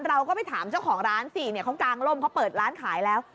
เราก็ไปถามเจ้าของร้านสิเนี่ยเขากางร่มเขาเปิดร้านขายแล้ว